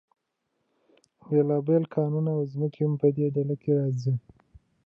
بیلابیل کانونه او ځمکه هم په دې ډله کې راځي.